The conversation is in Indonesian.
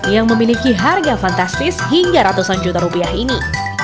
yang memiliki harga fantastis hingga ratusan juta rupiah ini